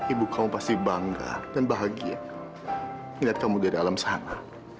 ibu kamu pasti bangga dan bahagia melihat kamu di dalam sana